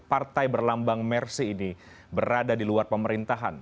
partai berlambang mersi ini berada di luar pemerintahan